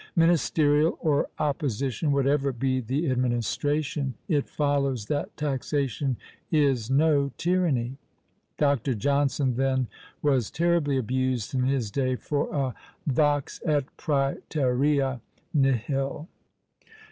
Ministerial or opposition, whatever be the administration, it follows that "taxation is no tyranny;" Dr. Johnson then was terribly abused in his day for a vox et præterea nihil!